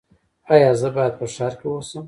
ایا زه باید په ښار کې اوسم؟